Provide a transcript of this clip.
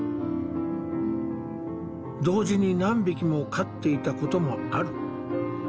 同時に何匹も飼っていたこともある。